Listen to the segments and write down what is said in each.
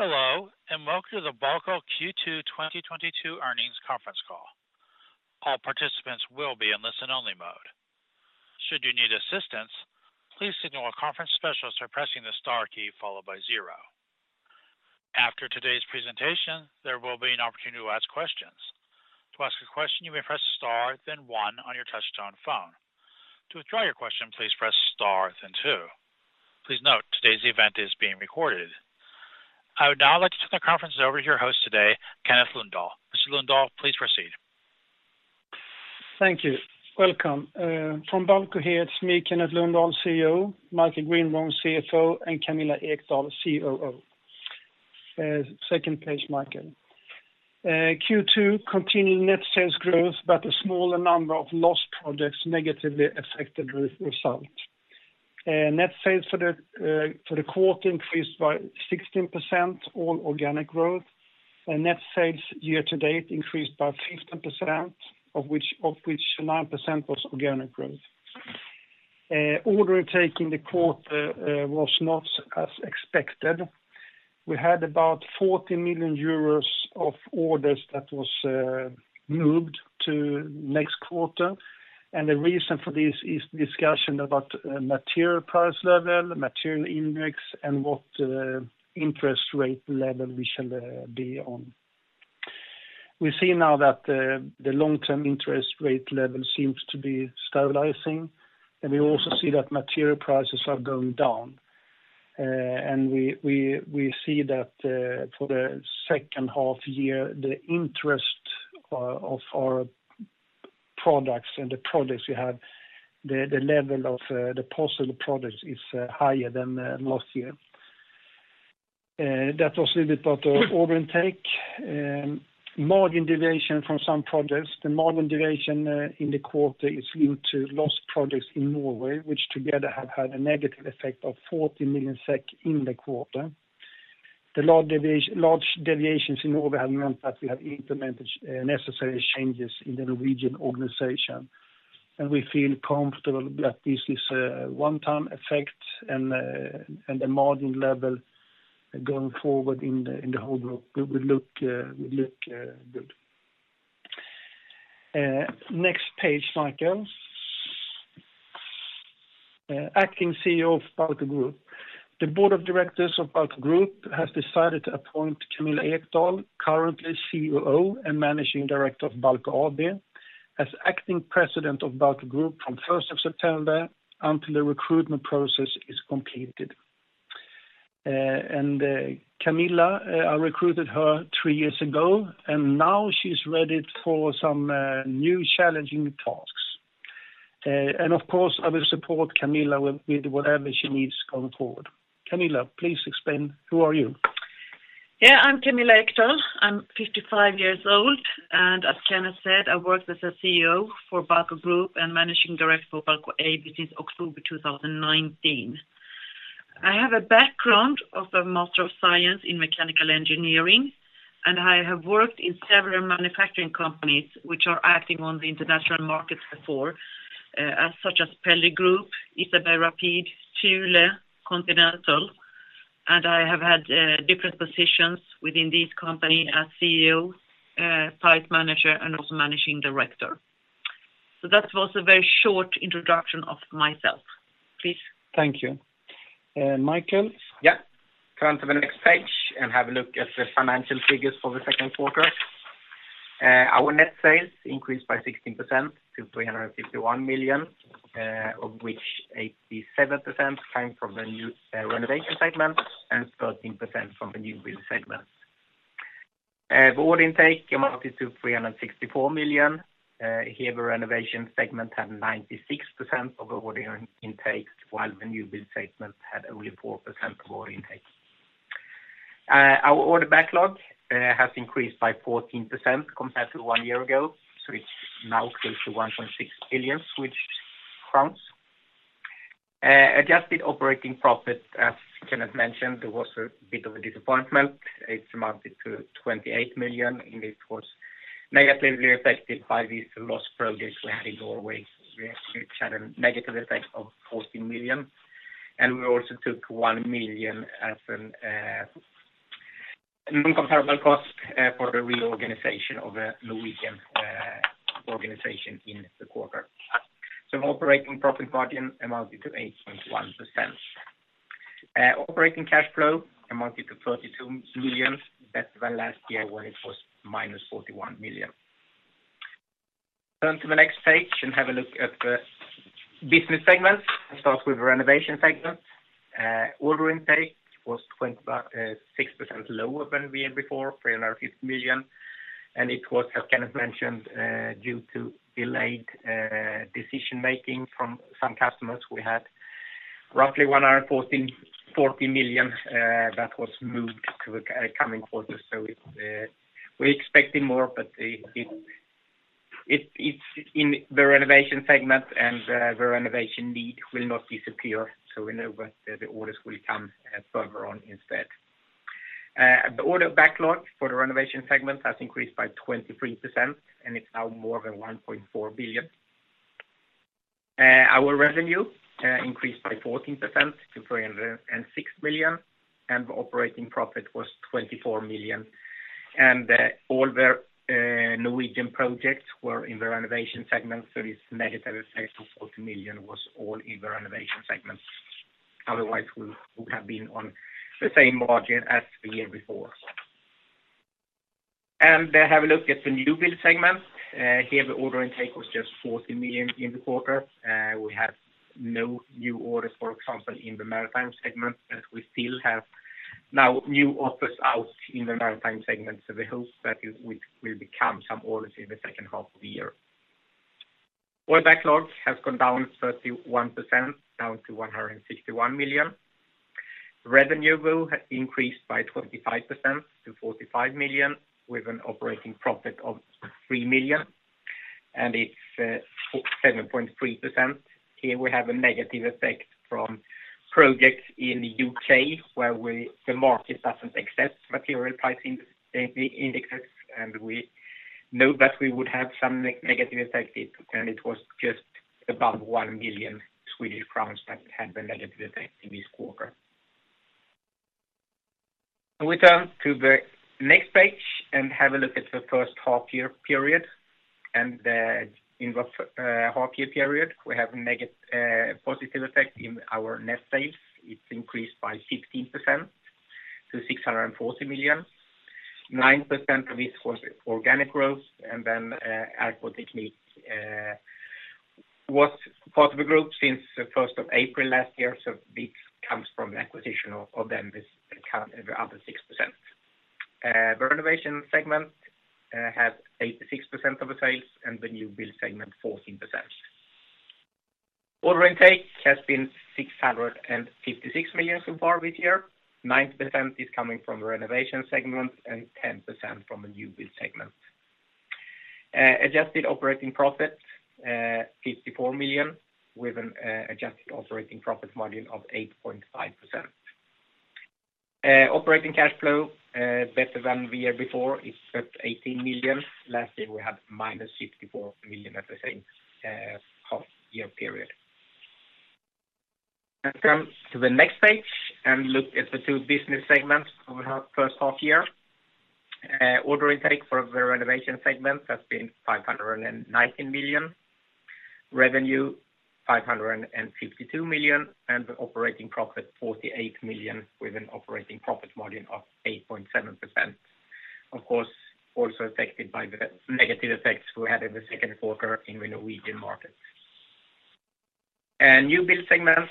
Hello, and welcome to the Balco Q2 2022 earnings conference call. All participants will be in listen-only mode. Should you need assistance, please signal a conference specialist by pressing the star key followed by zero. After today's presentation, there will be an opportunity to ask questions. To ask a question, you may press star then one on your touchtone phone. To withdraw your question, please press star then two. Please note, today's event is being recorded. I would now like to turn the conference over to your host today, Kenneth Lundahl. Mr. Lundahl, please proceed. Thank you. Welcome. From Balco here, it's me, Kenneth Lundahl, CEO, Michael Grindborn, CFO, and Camilla Ekdahl, COO. Second page, Michael. Q2 continued net sales growth, but a smaller number of lost projects negatively affected the result. Net sales for the quarter increased by 16% on organic growth, and net sales year to date increased by 15%, of which 9% was organic growth. Order taking the quarter was not as expected. We had about 40 million euros of orders that was moved to next quarter, and the reason for this is discussion about material price level, material index, and what interest rate level we shall be on. We see now that the long-term interest rate level seems to be stabilizing, and we also see that material prices are going down. We see that for the second half year, the interest in our products and the products we have, the level of the possible products is higher than last year. That was a little bit about the order intake. Margin deviation from some projects. The margin deviation in the quarter is due to lost projects in Norway, which together have had a negative effect of 40 million SEK in the quarter. The large deviations in Norway have meant that we have implemented necessary changes in the Norwegian organization, and we feel comfortable that this is a one-time effect and the margin level going forward in the whole group will look good. Next page, Michael. Acting CEO of Balco Group. The board of directors of Balco Group has decided to appoint Camilla Ekdahl, currently COO and Managing Director of Balco AB, as acting President of Balco Group from first of September until the recruitment process is completed. Camilla, I recruited her three years ago, and now she's ready for some new challenging tasks. Of course, I will support Camilla with whatever she needs going forward. Camilla, please explain who are you. I'm Camilla Ekdahl. I'm 55 years old, and as Kenneth said, I worked as a CEO for Balco Group and Managing Director for Balco AB since October 2019. I have a background of a Master of Science in Mechanical Engineering, and I have worked in several manufacturing companies which are acting on the international markets before, such as Pelly Group, Isaberg Rapid, Thule, Continental, and I have had different positions within these company as CEO, site manager, and also managing director. That was a very short introduction of myself. Please. Thank you. Michael? Yeah. Turn to the next page and have a look at the financial figures for the second quarter. Our net sales increased by 16% to 351 million, of which 87% came from the new renovation segment and 13% from the new build segment. The order intake amounted to 364 million. Here the renovation segment had 96% of order intake, while the new build segment had only 4% of order intake. Our order backlog has increased by 14% compared to one year ago, so it's now close to 1.6 billion Swedish crowns. Adjusted operating profit, as Kenneth mentioned, there was a bit of a disappointment. It amounted to 28 million, and it was negatively affected by these lost projects we had in Norway, which had a negative effect of 14 million, and we also took 1 million as a non-comparable cost for the reorganization of the Norwegian organization in the quarter. Operating profit margin amounted to 8.1%. Operating cash flow amounted to 32 million, better than last year where it was -41 million. Turn to the next page and have a look at the business segments. I'll start with the renovation segment. Order intake was 25.6% lower than we had before, 350 million, and it was, as Kenneth mentioned, due to delayed decision-making from some customers. We had roughly 140 million that was moved to the coming quarter. We're expecting more, but it's in the renovation segment and the renovation need will not disappear, so we know that the orders will come further on instead. The order backlog for the renovation segment has increased by 23%, and it's now more than 1.4 billion. Our revenue increased by 14% to 306 million, and the operating profit was 24 million. All the Norwegian projects were in the renovation segment, so its negative effect of 40 million was all in the renovation segment. Otherwise, we would have been on the same margin as the year before. Have a look at the new build segment. Here the order intake was just 40 million in the quarter. We have no new orders, for example, in the maritime segment, but we still have now new offers out in the maritime segment. The hope that it will become some orders in the second half of the year. Our backlog has gone down 31%, down to 161 million. Revenue though has increased by 25% to 45 million, with an operating profit of 3 million, and it's 7.3%. Here we have a negative effect from projects in the U.K. where the market doesn't accept material pricing indexes, and we know that we would have some negative effect. It was just above 1 million Swedish crowns that had the negative effect this quarter. We turn to the next page and have a look at the first half year period. In the half year period, we have positive effect in our net sales. It's increased by 15% to 640 million. 9% of it was organic growth, and then Aqua-Technique was part of the group since the first of April last year, so this comes from the acquisition of them, this account, the other 6%. The renovation segment has 86% of the sales, and the new build segment, 14%. Order intake has been 656 million so far this year. 9% is coming from the renovation segment and 10% from the new build segment. Adjusted operating profit, fifty-four million, with an adjusted operating profit margin of 8.5%. Operating cash flow, better than the year before. It's at 18 million. Last year, we had -54 million at the same, half year period. Let's come to the next page and look at the two business segments over the first half year. Order intake for the renovation segment has been 519 million. Revenue, 552 million. The operating profit, 48 million, with an operating profit margin of 8.7%. Of course, also affected by the negative effects we had in the second quarter in the Norwegian market. New build segment,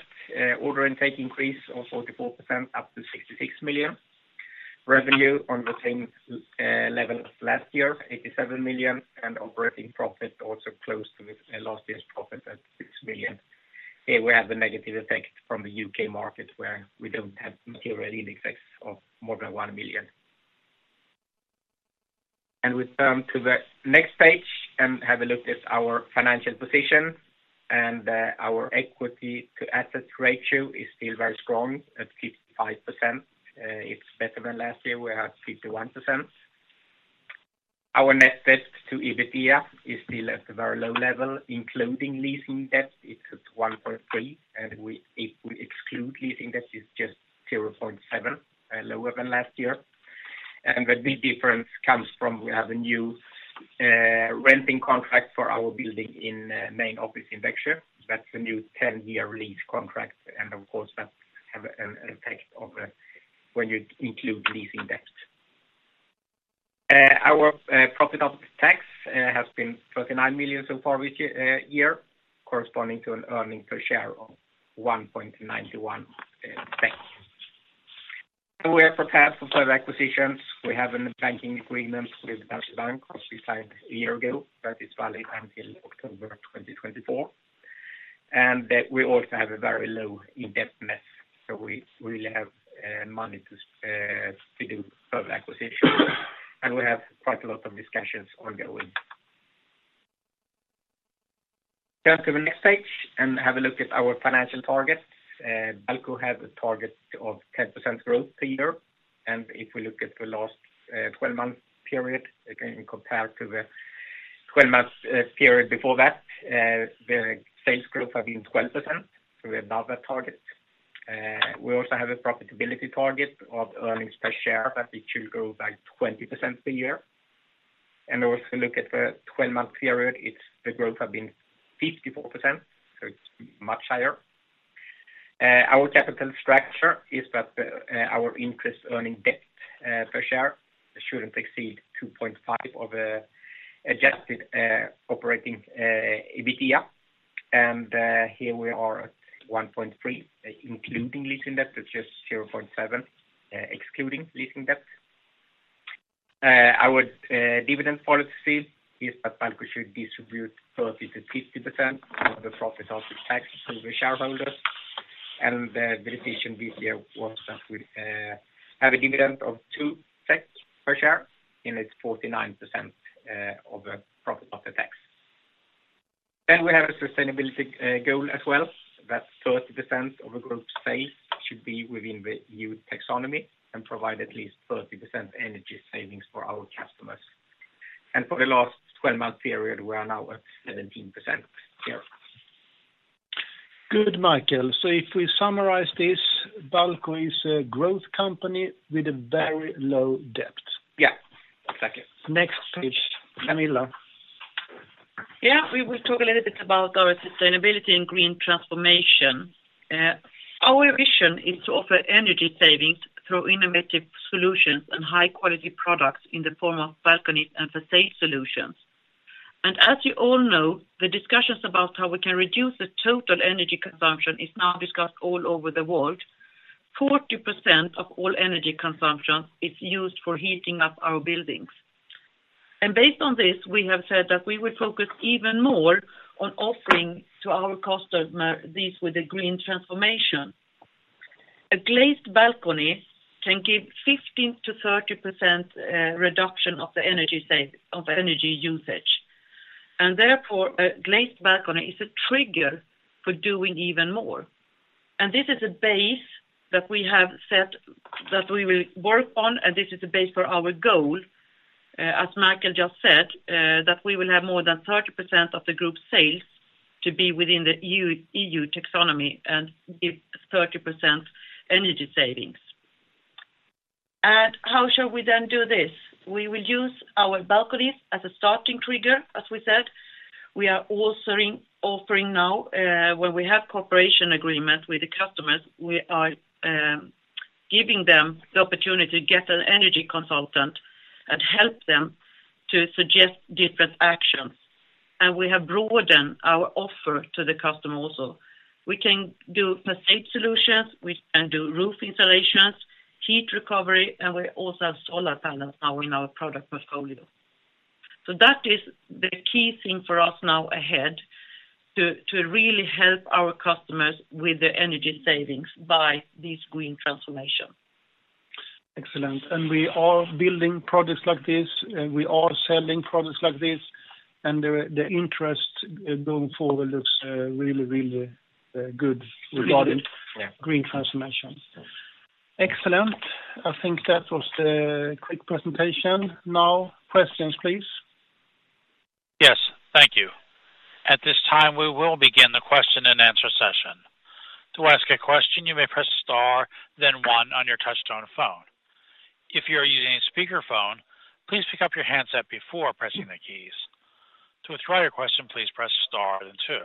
order intake increase of 44%, up to 66 million. Revenue on the same level as last year, 87 million. Operating profit, also close to last year's profit at 6 million. Here we have the negative effect from the U.K. market, where we don't have material index of more than 1 million. We turn to the next page and have a look at our financial position. Our equity to assets ratio is still very strong, at 55%. It's better than last year, we had 51%. Our net debt to EBITDA is still at a very low level, including leasing debt, it's at 1.3. If we exclude leasing debt, it's just 0.7, lower than last year. The big difference comes from we have a new leasing contract for our building in main office in Växjö. That's a new ten-year lease contract, and of course, that have an effect when you include leasing debt. Our profit after tax has been 29 million so far this year, corresponding to an earnings per share of 1.91. We are prepared for further acquisitions. We have a banking agreement with Danske Bank, which we signed a year ago, that is valid until October 2024. We also have a very low net debt, so we have money to do further acquisitions. We have quite a lot of discussions ongoing. Turn to the next page and have a look at our financial targets. Balco has a target of 10% growth per year. If we look at the last 12-month period, again, compared to the 12-month period before that, the sales growth have been 12%, so we're above that target. We also have a profitability target of earnings per share that it should grow by 20% per year. Also look at the 12-month period, it's the growth have been 54%, so it's much higher. Our capital structure is that our interest earning debt per share shouldn't exceed 2.5 of adjusted operating EBITDA. Here we are at 1.3, including leasing debt. It's just 0.7, excluding leasing debt. Our dividend policy is that Balco should distribute 30%-50% of the profit after tax to the shareholders. The delegation this year was that we have a dividend of 2 per share, and it's 49% of the profit after tax. We have a sustainability goal as well, that 30% of the group's sales should be within the EU taxonomy and provide at least 30% energy savings for our customers. For the last 12-month period, we are now at 17% year. Good, Michael. If we summarize this, Balco is a growth company with a very low debt. Yeah, exactly. Next page, Camilla. Yeah. We will talk a little bit about our sustainability and green transformation. Our vision is to offer energy savings through innovative solutions and high quality products in the form of balconies and facade solutions. As you all know, the discussions about how we can reduce the total energy consumption is now discussed all over the world. 40% of all energy consumption is used for heating up our buildings. Based on this, we have said that we will focus even more on offering to our customer this with a green transformation. A glazed balcony can give 15%-30% reduction of energy usage, and therefore a glazed balcony is a trigger for doing even more. This is a base that we have set that we will work on, and this is a base for our goal, as Michael just said, that we will have more than 30% of the group sales to be within the EU taxonomy and give 30% energy savings. How shall we then do this? We will use our balconies as a starting trigger, as we said. We are also offering now, where we have cooperation agreement with the customers, we are giving them the opportunity to get an energy consultant and help them to suggest different actions. We have broadened our offer to the customer also. We can do facade solutions, we can do roof installations, heat recovery, and we also have solar panels now in our product portfolio. That is the key thing for us now ahead to really help our customers with the energy savings by this green transformation. Excellent. We are building projects like this, we are selling products like this, and the interest going forward looks really good regarding. Really good, yeah. Green transformation. Excellent. I think that was the quick presentation. Now, questions, please. Yes. Thank you. At this time, we will begin the question and answer session. To ask a question, you may press star, then one on your touchtone phone. If you are using a speakerphone, please pick up your handset before pressing the keys. To withdraw your question, please press star then two.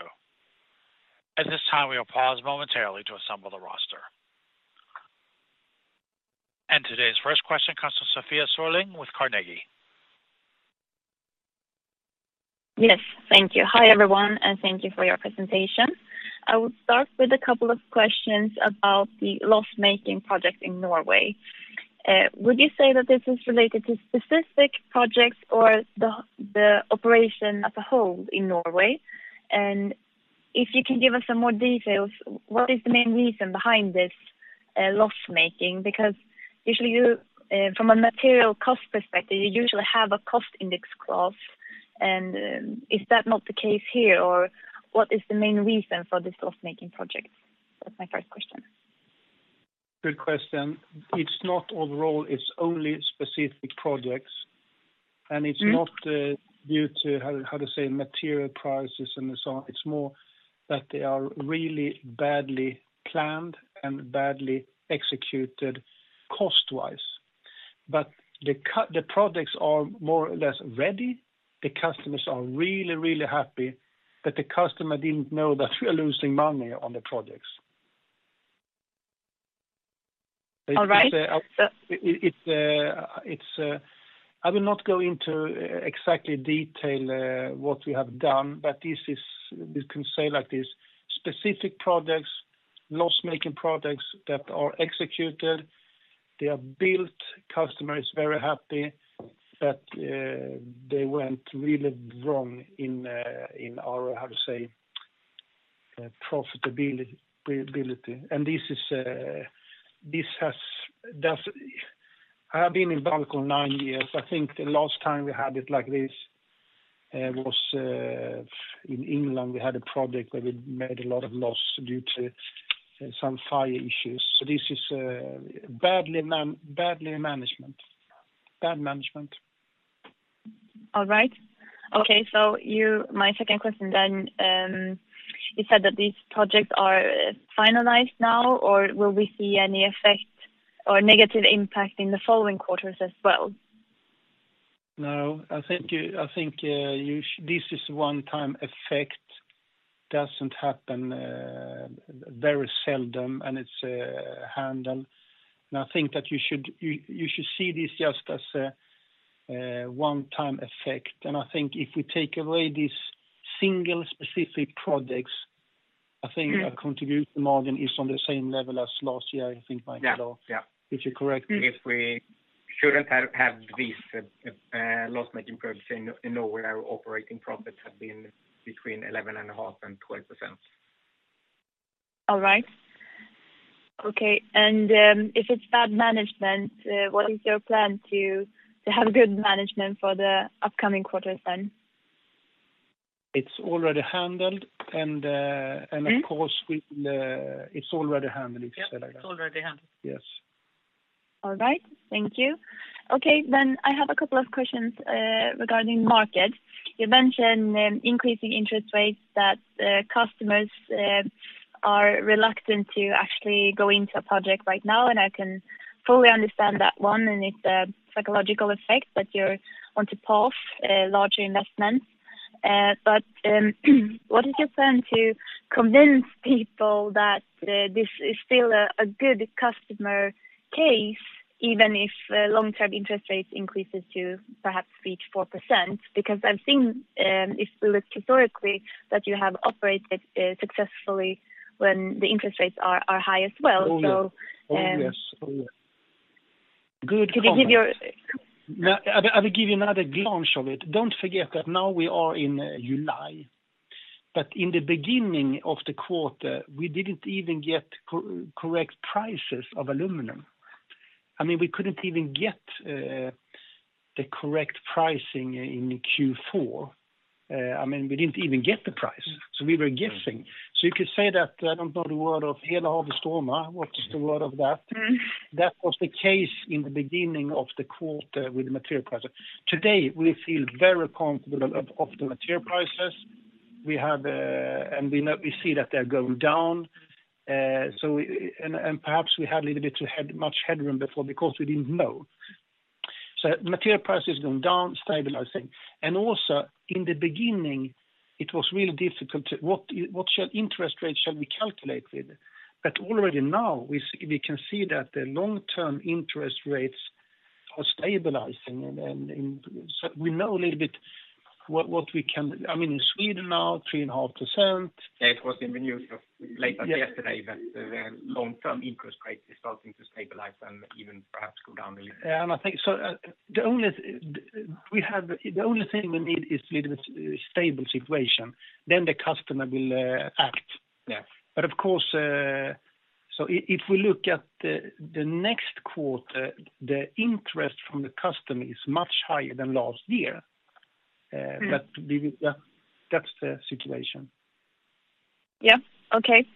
At this time, we will pause momentarily to assemble the roster. Today's first question comes from Sofia Sörling with Carnegie. Yes. Thank you. Hi, everyone, and thank you for your presentation. I will start with a couple of questions about the loss-making project in Norway. Would you say that this is related to specific projects or the operation as a whole in Norway? If you can give us some more details, what is the main reason behind this loss-making? Because usually you, from a material cost perspective, you usually have a cost index clause. Is that not the case here, or what is the main reason for this loss-making project? That's my first question. Good question. It's not overall, it's only specific projects, and it's not due to material prices and so on. It's more that they are really badly planned and badly executed cost-wise. The projects are more or less ready. The customers are really, really happy, but the customer didn't know that we are losing money on the projects. All right. I will not go into exactly detail what we have done, but we can say like this, specific loss-making projects that are executed, they are built, customer is very happy, but they went really wrong in our profitability. This has. That's. I have been in Balco nine years. I think the last time we had it like this was in England, we had a project where we made a lot of loss due to some fire issues. This is bad management. All right. Okay. My second question then, you said that these projects are finalized now, or will we see any effect or negative impact in the following quarters as well? No. I think you—this is a one-time effect that doesn't happen very seldom, and it's handled. I think that you should see this just as a one-time effect. I think if we take away these single specific projects, I think our contribution margin is on the same level as last year, I think, Michael. Yeah. Yeah. If you're correct. If we shouldn't have these loss-making projects in Norway, our operating profits have been between 11.5% and 12%. All right. Okay. If it's bad management, what is your plan to have good management for the upcoming quarters then? It's already handled. Mm-hmm. It's already handled, if you say like that. Yep, it's already handled. Yes. All right. Thank you. Okay, I have a couple of questions regarding market. You mentioned increasing interest rates that customers are reluctant to actually go into a project right now, and I can fully understand that one, and it's a psychological effect that you want to pause larger investments. What is your plan to convince people that this is still a good customer case, even if long-term interest rates increases to perhaps reach 4%? Because I've seen if we look historically that you have operated successfully when the interest rates are high as well. Oh, yes. Good comment. Can you give your? Now, I'm giving you another glance of it. Don't forget that now we are in July. In the beginning of the quarter, we didn't even get correct prices of aluminum. I mean, we couldn't even get the correct pricing in Q4. I mean, we didn't even get the price, so we were guessing. You could say that, I don't know the word of Mm-hmm. That was the case in the beginning of the quarter with the material prices. Today, we feel very comfortable of the material prices we have, and we see that they're going down. Perhaps we had a little bit of headroom before because we didn't know. Material prices going down, stabilizing. Also in the beginning, it was really difficult to what should interest rates shall we calculate with. Already now we can see that the long-term interest rates are stabilizing. We know a little bit what we can. I mean, in Sweden now, 3.5%. Yeah, it was in the news late yesterday that the long-term interest rates is starting to stabilize and even perhaps go down a little. Yeah. I think so. The only thing we need is little stable situation, then the customer will act. Yeah. Of course, so if we look at the next quarter, the interest from the customer is much higher than last year. That's the situation. Yeah. Okay.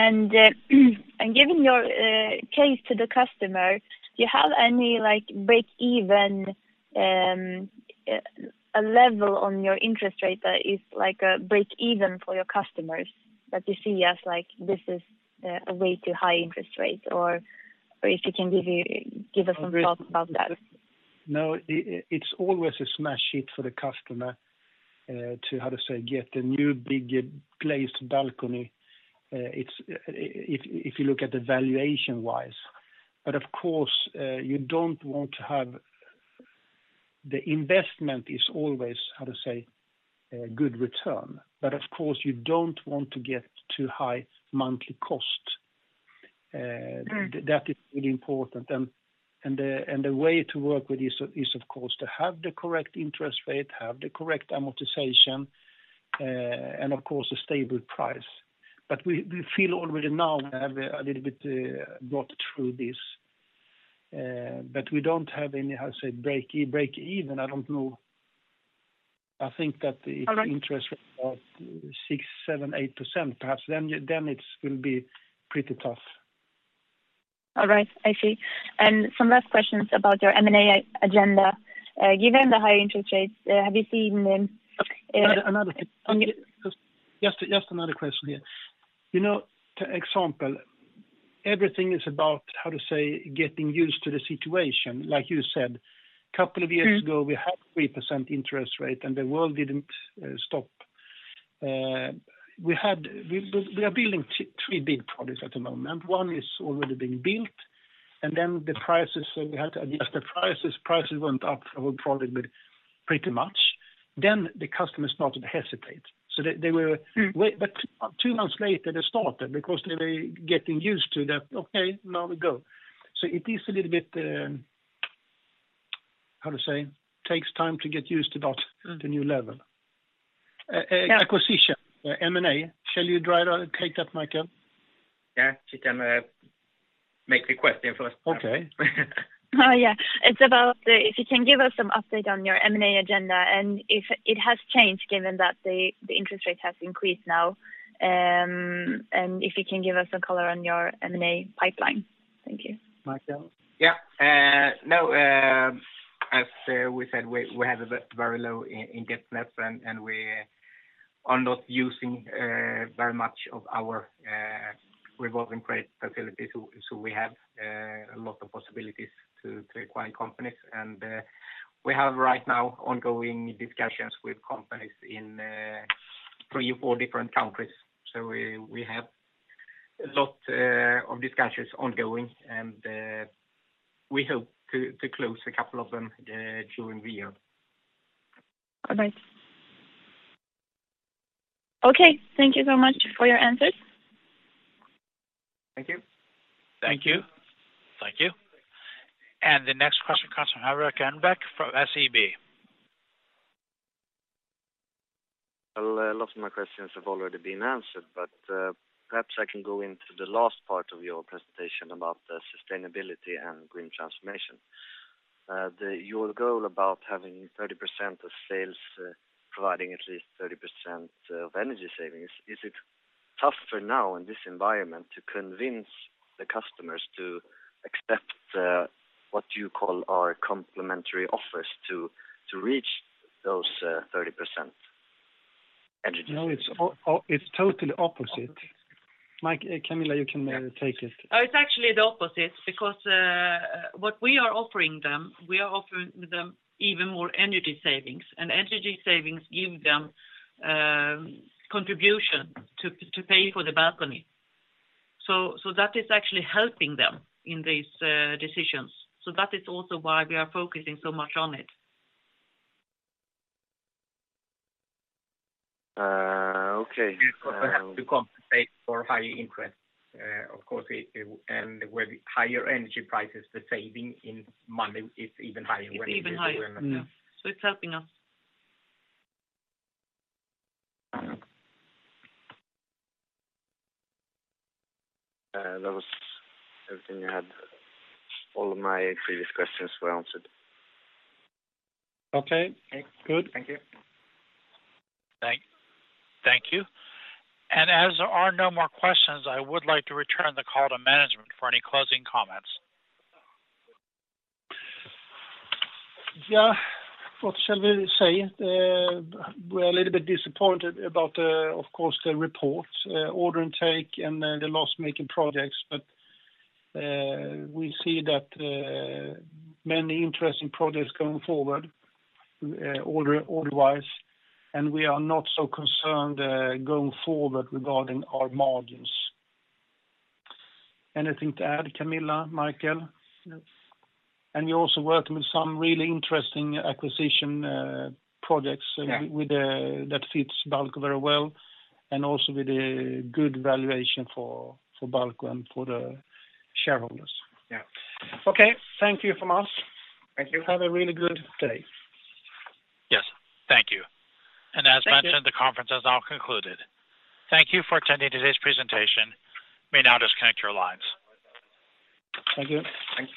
Given your case to the customer, do you have any like break even, a level on your interest rate that is like a break even for your customers that you see as like, this is, a way too high interest rates? Or if you can give us some thoughts about that. No, it's always a smash hit for the customer to get a new big glazed balcony. If you look at the valuation-wise. The investment is always a good return. Of course, you don't want to get too high monthly cost. Mm. That is really important. The way to work with this is of course to have the correct interest rate, have the correct amortization, and of course a stable price. We feel already now we have a little bit got through this, but we don't have any, how to say, break-even. I don't know. I think that the. All right. Interest rate of 6%, 7%, 8%, perhaps then it's going to be pretty tough. All right. I see. Some last questions about your M&A agenda. Given the high interest rates, have you seen? Another thing. Oh, yeah. Just another question here. You know, for example, everything is about how to say, getting used to the situation. Like you said, couple of years ago. Mm. We had 3% interest rate and the world didn't stop. We are building three big products at the moment. One is already being built, and then the prices, we had to adjust the prices. Prices went up, our product pretty much. The customers started to hesitate. They were- Mm. Two months later, they started because they were getting used to that, "Okay, now we go." It is a little bit, how to say, takes time to get used to that. Mm. the new level. Yeah. Acquisition, M&A. Shall you try to take that, Michael? Yeah. She can make the question first. Okay. Oh, yeah. It's about if you can give us some update on your M&A agenda, and if it has changed given that the interest rate has increased now, and if you can give us some color on your M&A pipeline. Thank you. Michael. Yeah. Now, as we said, we have a very low net debt, and we are not using very much of our revolving credit facility. We have a lot of possibilities to acquire companies. We have right now ongoing discussions with companies in three or four different countries. We have a lot of discussions ongoing, and we hope to close a couple of them during the year. All right. Okay. Thank you so much for your answers. Thank you. Thank you. Thank you. The next question comes from Henrik Enbäck from SEB. Well, a lot of my questions have already been answered, but perhaps I can go into the last part of your presentation about the sustainability and green transformation. Your goal about having 30% of sales providing at least 30% of energy savings, is it tougher now in this environment to convince the customers to accept what you call our complementary offers to reach those 30% energy savings? No, it's totally opposite. Mike, Camilla, you can take it. Oh, it's actually the opposite because what we are offering them, we are offering them even more energy savings, and energy savings give them contribution to pay for the balcony. That is actually helping them in these decisions. That is also why we are focusing so much on it. Okay. To compensate for high interest. Of course, it and with higher energy prices, the saving in money is even higher when. It's even higher, yeah. It's helping us. That was everything I had. All of my previous questions were answered. Okay, good. Thank you. Thank you. As there are no more questions, I would like to return the call to management for any closing comments. Yeah. What shall we say? We're a little bit disappointed about, of course, the reported order intake and then the loss-making projects. We see that many interesting projects going forward order-wise, and we are not so concerned going forward regarding our margins. Anything to add, Camilla, Michael? No. We're also working with some really interesting acquisition projects. Yeah. That fits Balco very well, and also with a good valuation for Balco and for the shareholders. Yeah. Okay. Thank you from us. Thank you. Have a really good day. Yes. Thank you. Thank you. As mentioned, the conference has now concluded. Thank you for attending today's presentation. You may now disconnect your lines. Thank you. Thanks.